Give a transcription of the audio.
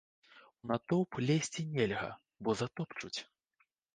У натоўп лезці нельга, бо затопчуць.